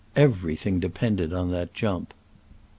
Everything depended on that jump.